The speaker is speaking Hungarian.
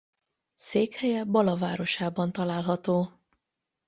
Székhelye Bala városában található.